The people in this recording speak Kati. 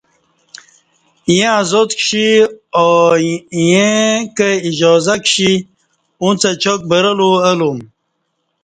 ییں ازاد کشی او ایں کہ اجازہ کشی اُݩڅ اچاک برہلو الوم